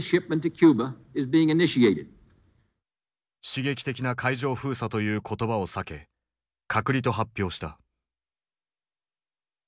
刺激的な「海上封鎖」という言葉を避け「隔離」と発表した。